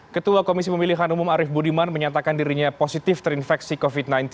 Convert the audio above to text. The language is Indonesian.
ketua komisi pemilihan umum arief budiman menyatakan dirinya positif terinfeksi covid sembilan belas